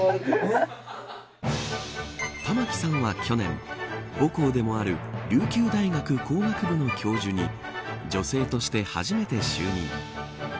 玉城さんは去年母校でもある琉球大学工学部の教授に女性として初めて就任。